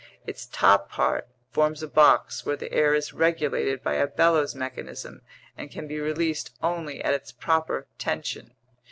Its top part forms a box where the air is regulated by a bellows mechanism and can be released only at its proper tension.